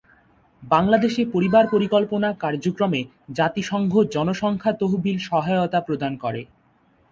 বাংলাদেশে পরিবার পরিকল্পনা কার্যক্রমে জাতিসংঘ জনসংখ্যা তহবিল সহায়তা প্রদান করে।